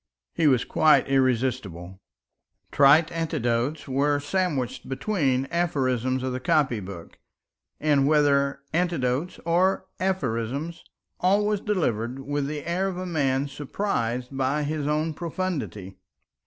He was quite irresistible. Trite anecdotes were sandwiched between aphorisms of the copybook; and whether anecdote or aphorism, all was delivered with the air of a man surprised by his own profundity.